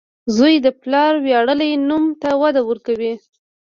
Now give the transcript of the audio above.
• زوی د پلار ویاړلی نوم ته وده ورکوي.